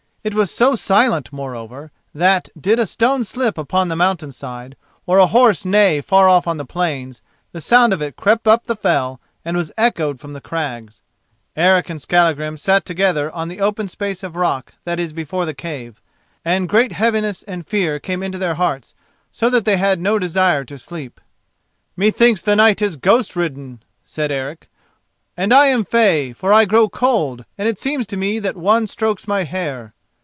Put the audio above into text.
It was so silent, moreover, that, did a stone slip upon the mountain side or a horse neigh far off on the plains, the sound of it crept up the fell and was echoed from the crags. Eric and Skallagrim sat together on the open space of rock that is before the cave, and great heaviness and fear came into their hearts, so that they had no desire to sleep. "Methinks the night is ghost ridden," said Eric, "and I am fey, for I grow cold, and it seems to me that one strokes my hair."